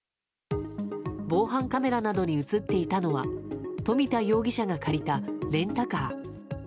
防犯カメラなどに映っていたのは冨田容疑者が借りたレンタカー。